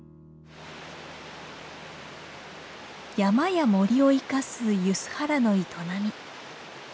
山や森を生かす梼原の営み。